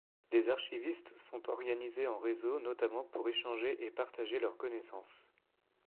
Les archivistes sont organisés en réseaux notamment pour échanger et partager leurs connaissances.